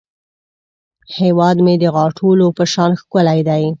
هیواد مې د غاټولو په شان ښکلی دی